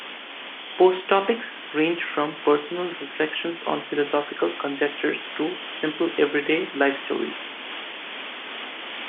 Post topics range from personal reflections on philosophical conjectures to simple everyday life stories.